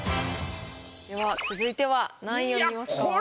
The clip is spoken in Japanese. では続いては何位を見ますか？